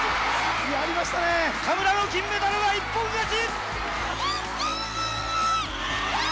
田村の金メダルは一本勝ち！